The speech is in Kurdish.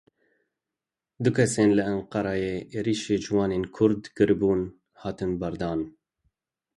Du kesên li Enqereyê êrişî ciwanên Kurd kiribûn, hatin berdan.